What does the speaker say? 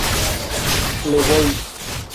Le Bois